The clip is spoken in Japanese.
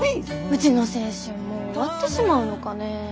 うちの青春もう終わってしまうのかね。